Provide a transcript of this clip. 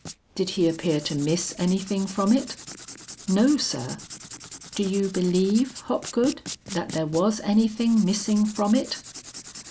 "Did he appear to miss anything from it?" "No, sir." "Do you believe, Hopgood, that there was anything missing from it?"